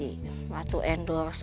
tidak ada yang bisa diendorse